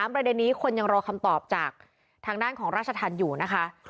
ประเด็นนี้คนยังรอคำตอบจากทางด้านของราชธรรมอยู่นะคะ